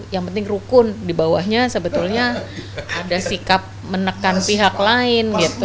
yang penting rukun di bawahnya sebetulnya ada sikap menekan pihak lain gitu